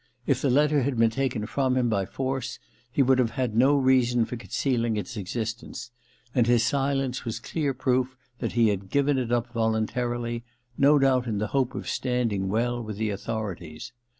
If the letter had been taken from him by force he would have had no reason for conceding its existence ; and his silence was clear proof that he had given it up voluntarily, no doubt in the hope of standing well with the authorities.